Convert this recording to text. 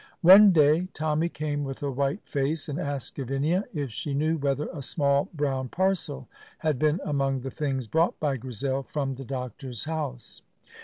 One day Tommy came with a white face and asked Gavinia if she knew whether a small brown parcel had been among the things brought by Grizel from the doctor's house.